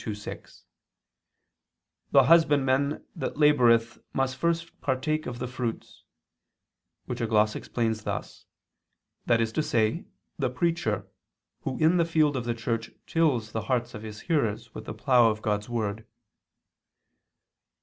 2:6, "The husbandman that laboreth must first partake of the fruits," which a gloss explains thus, "that is to say, the preacher, who in the field of the Church tills the hearts of his hearers with the plough of God's word."